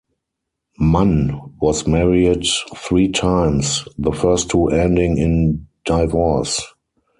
Mann was married three times, the first two ending in divorce.